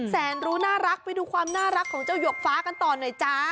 แสนรู้น่ารักไปดูความน่ารักของเจ้าหยกฟ้ากันต่อหน่อยจ้า